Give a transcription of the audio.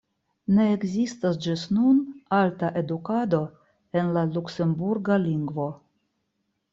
Ne ekzistas ĝis nun alta edukado en la luksemburga lingvo.